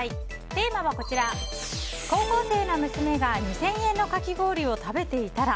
テーマは、高校生の娘が２０００円のかき氷を食べていたら。